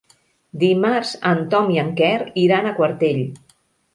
Dimarts en Tom i en Quer iran a Quartell.